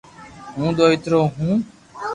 ھون دوئيترو ھون